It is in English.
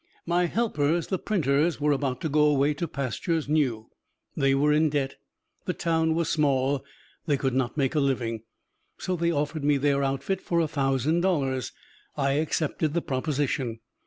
My helpers, the printers, were about to go away to pastures new; they were in debt, the town was small, they could not make a living. So they offered me their outfit for a thousand dollars. I accepted the proposition.